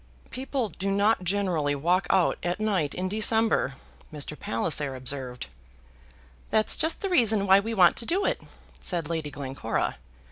"People do not generally walk out at night in December," Mr. Palliser observed. "That's just the reason why we want to do it," said Lady Glencora.